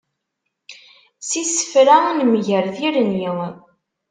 S yisefra nemger tirni.